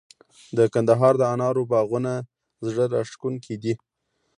د کندهار د انارو باغونه زړه راښکونکي دي.